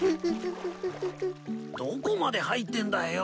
どこまで入ってんだよ。